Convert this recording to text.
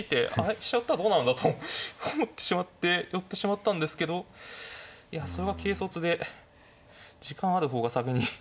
飛車寄ったらどうなるんだ」と思ってしまって寄ってしまったんですけどいやそれが軽率で時間ある方が先に。